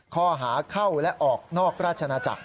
ข้อหาเข้าและออกนอกราชนาจักร